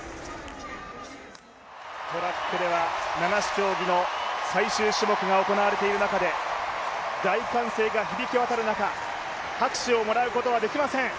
トラックでは七種競技の最終種目が行われている中で大歓声が響き渡る中、拍手をもらうことはできません。